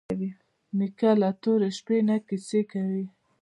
نیکه له تورې شپې نه کیسې کوي.